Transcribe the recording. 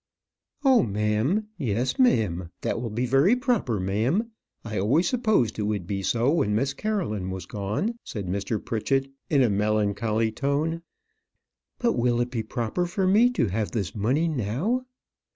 "Oh, ma'am; yes, ma'am; that will be very proper, ma'am. I always supposed it would be so when Miss Caroline was gone," said Pritchett, in a melancholy tone. "But will it be proper for me to have this money now?"